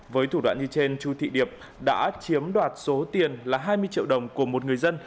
với thủ đoạn như trên chu thị điệp đã chiếm đoạt số tiền là hai mươi triệu đồng của một người dân